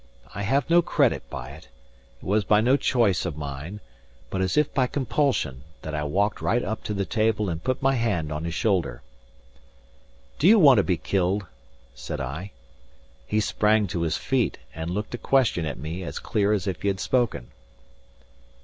I have no credit by it; it was by no choice of mine, but as if by compulsion, that I walked right up to the table and put my hand on his shoulder. "Do ye want to be killed?" said I. He sprang to his feet, and looked a question at me as clear as if he had spoken.